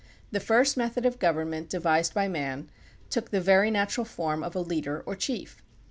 The first method of government devised by man took the very natural form of a leader or chief.